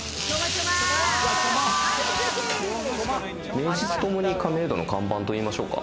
名実ともに亀戸の看板といいましょうか。